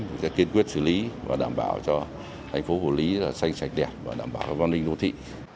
chúng tôi sẽ kiên quyết xử lý và đảm bảo cho thành phố hồ lý xanh sạch đẹp và đảm bảo các văn minh đô thị